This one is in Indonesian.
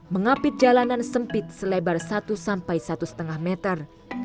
mengapit jalanan sempit selebar satu sampai satu lima meter